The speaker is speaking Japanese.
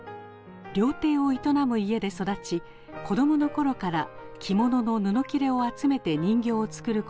料亭を営む家で育ち子どものころから着物の布きれを集めて人形を作ることが大好きでした。